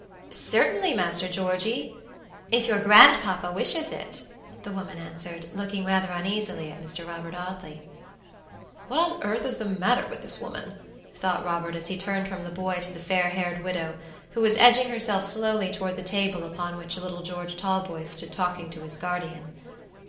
"Certainly, Master Georgey, if your grandpapa wishes it," the woman answered, looking rather uneasily at Mr. Robert Audley. "What on earth is the matter with this woman," thought Robert as he turned from the boy to the fair haired widow, who was edging herself slowly toward the table upon which little George Talboys stood talking to his guardian.